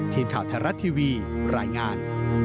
ทีมข่าวธรรัตน์ทีวีรายงาน